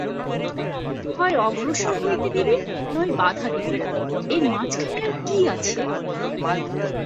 হয় অগ্রসর হইতে দিবে, নয় বাধা দিবে, এর মাঝখানে আর কী আছে?